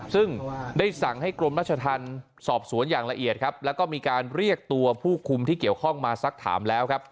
ซึ่งได้สั่งให้กรมรัชธรรมสอบสวนอย่างละเอียดครับแล้วก็มีการเรียกตัวผู้คุมที่เกี่ยวข้องมาสักถามแล้วครับ